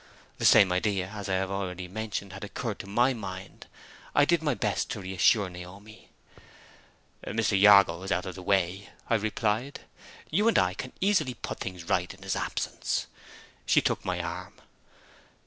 The same idea, as I have already mentioned, had occurred to my mind. I did my best to reassure Naomi. "Mr. Jago is out of the way," I replied. "You and I can easily put things right in his absence." She took my arm.